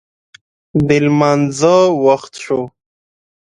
د لمانځه وخت شو